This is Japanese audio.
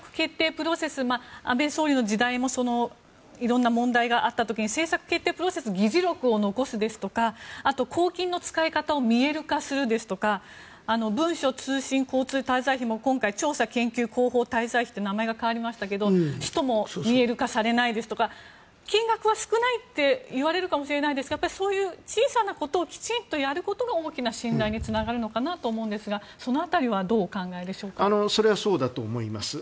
プロセス安倍総理の時代もいろんな問題があった時に政策決定プロセスの議事録を残すですとか公金の使い方を見える化するですとか文書通信交通滞在費も今回、調査研究広報滞在費と名前が変わりましたが使途が見える化されなくて金額は少ないっていわれるかもしれませんがそういう小さなことをきちんとやることが大きな進歩が見えるかなと思いますがその辺りはどうお考えでしょうか。